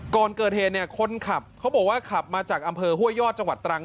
ก่อนเกิดเหตุเนี่ยคนขับเขาบอกว่าขับมาจากอำเภอห้วยยอดจังหวัดตรัง